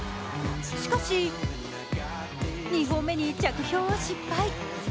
しかし、２本目に着氷を失敗。